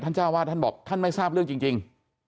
เจ้าวาดท่านบอกท่านไม่ทราบเรื่องจริง